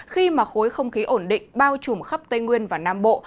khi mà khối không khí ổn định bao trùm khắp tây nguyên và nam bộ